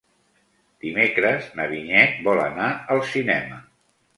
Dimecres na Vinyet vol anar al cinema.